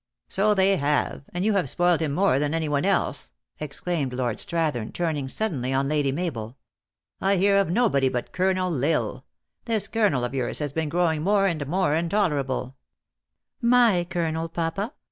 " So they have ; and you have spoiled him more than any one else," exclaimed Lord Strathern turning suddenly on Lady Mabel. " I hear of nobody but Colonel L Isle. This Colonel of yours has been grow ing more and more intolerable " My Colonel, papa